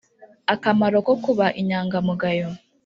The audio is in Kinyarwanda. Akamaro ko kuba inyangamugayo